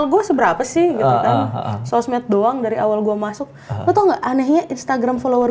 gue seberapa sih sosmed doang dari awal gua masuk atau enggak anehnya instagram follower